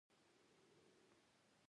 لاسونه ذهن ته څه رسوي